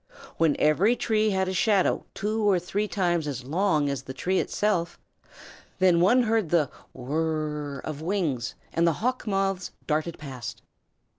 When every tree had a shadow two or three times as long as the tree itself, then one heard the whir r r of wings and the Hawk Moths darted past.